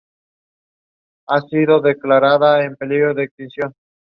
A film of the same name was made based on that novel.